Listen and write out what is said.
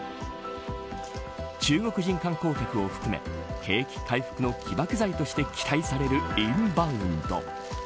中国人観光客を含め景気回復の起爆剤として期待されるインバウンド。